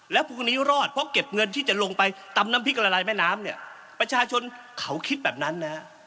แล้วพรุ่งนี้รอดเพราะเก็บเงินที่จะลงไปตำน้ำพริกละลายแม่น้ำเนี่ยประชาชนเขาคิดแบบนั้นนะฮะ